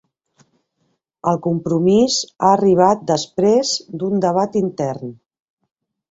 El compromís ha arribat després d'un debat intern